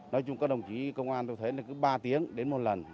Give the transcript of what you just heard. nói chung các đồng chí công an tôi thấy là cứ ba tiếng đến một lần